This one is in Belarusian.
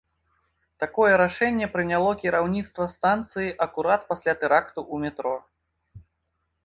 Такое рашэнне прыняло кіраўніцтва станцыі акурат пасля тэракту ў метро.